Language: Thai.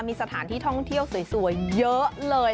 มีสถานที่ท่องเที่ยวสวยเยอะเลย